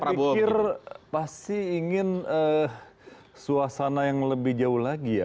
saya pikir pasti ingin suasana yang lebih jauh lagi ya